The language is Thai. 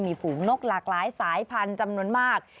มีฝูงนกหลากหลายสายพันธุ์จำนวนมาก